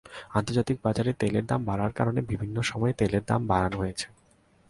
আন্তর্জাতিক বাজারে তেলের দাম বাড়ার কারণে বিভিন্ন সময়ে তেলের দাম বাড়ানো হয়েছে।